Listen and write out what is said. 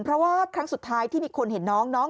เพราะว่าครั้งสุดท้ายที่มีคนเห็นน้องน้อง